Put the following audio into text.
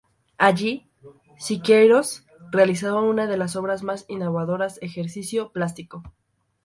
Allí, Siqueiros realizó una de sus obras más innovadoras: "Ejercicio plástico".